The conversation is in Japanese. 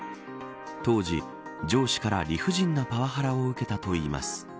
当時、上司から理不尽なパワハラを受けたといいます。